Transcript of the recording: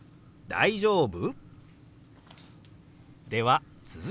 大丈夫？」。